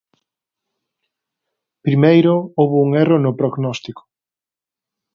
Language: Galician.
Primeiro, houbo un erro no prognóstico.